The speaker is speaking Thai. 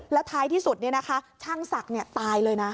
แล้วท้ายที่สุดช่างศักดิ์ตายเลยนะ